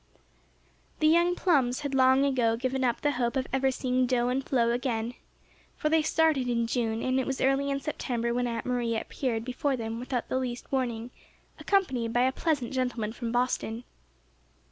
The young Plums had long ago given up the hope of ever seeing Do and Flo again, for they started in June and it was early in September when Aunt Maria appeared before them without the least warning, accompanied by a pleasant gentleman from Boston.